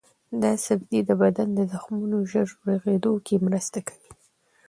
دا سبزی د بدن د زخمونو ژر رغیدو کې مرسته کوي.